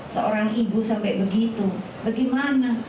seorang ibu sampai begitu bagaimana